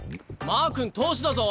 マー君投手だぞ。